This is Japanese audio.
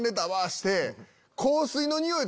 して。